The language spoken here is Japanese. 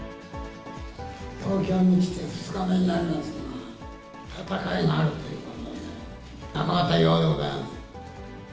東京に来て２日目になりますが、闘いがあるということで、袴田巌でございます。